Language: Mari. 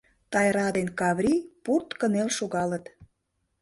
Тайра ден Каврий пурт кынел шогалыт.